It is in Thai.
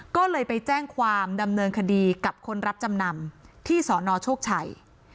ก็เลยไปแจ้งความดำเนินคดีกับคนรับจำนำที่สนโชคชัย